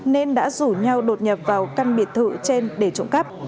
nên đã rủ nhau đột nhập vào căn biệt thự trên để trộm cắp